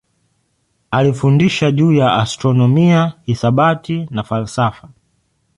Alifundisha juu ya astronomia, hisabati na falsafa.